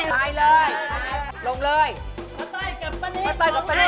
สงสัยกันตลอด